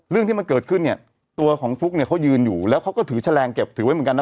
เรื่องที่มันเกิดขึ้นเนี่ยตัวของฟลุ๊กเนี่ยเขายืนอยู่แล้วเขาก็ถือแฉลงเก็บถือไว้เหมือนกันนะ